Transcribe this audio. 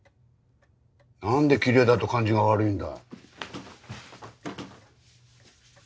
なんできれいだと感じが悪いんだ？